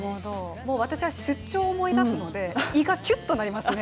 もう私は出張を思い出すので胃がきゅっとなりますね。